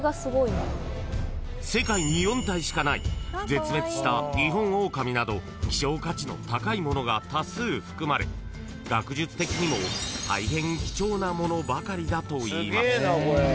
［世界に４体しかない絶滅したニホンオオカミなど希少価値の高いものが多数含まれ学術的にも大変貴重なものばかりだといいます］